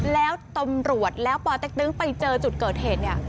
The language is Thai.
แล้วตำรวจแล้วปเต็กตึงไปเจอจุดเกิดเหตุเนี่ย